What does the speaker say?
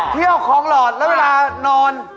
เที่ยวของหลอดแล้วเวลานอน